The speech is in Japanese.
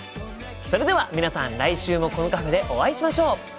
それでは皆さん来週もこのカフェでお会いしましょう！